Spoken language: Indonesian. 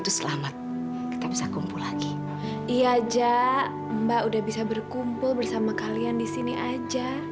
itu selamat kita bisa kumpul lagi ia ajak mbak udah bisa berkumpul bersama kalian di sini aja